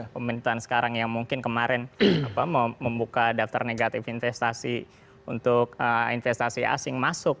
pemerintahan sekarang yang mungkin kemarin membuka daftar negatif investasi untuk investasi asing masuk